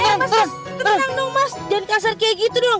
eh mas mas mas ketenang dong mas jangan kasar kayak gitu dong